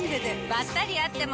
ばったり会っても。